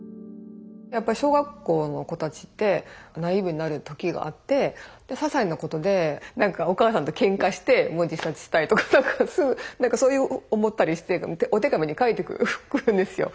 やっぱり小学校の子たちってナイーブになる時があってささいなことで何かお母さんとけんかしてもう自殺したいとかそう思ったりしてお手紙に書いてくるんですよ。